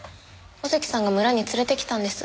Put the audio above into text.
小関さんが村に連れてきたんです。